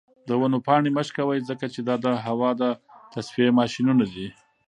د ونو پاڼې مه شکوئ ځکه چې دا د هوا د تصفیې ماشینونه دي.